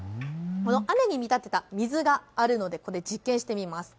雨に見立てた水があるので実験してみます。